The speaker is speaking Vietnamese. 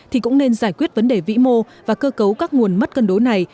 thì cũng nên giải quyết vấn đề vĩ mô và cơ cấu các nguồn mất cân đối này